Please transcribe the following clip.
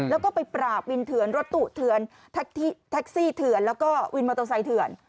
แล้วก็ไปปราบวินเถื่อนรถตู้เถื่อนแท็กซี่เถื่อนแล้วก็วินมอเตอร์ไซค์เถื่อน